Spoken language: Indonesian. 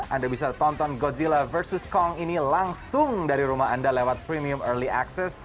anda bisa tonton godzila versus kong ini langsung dari rumah anda lewat premium early access